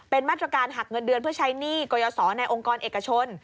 เป็นมาตรการหักเงินเดือนเพื่อใช้หนี้กรยศในองค์กรเอกชน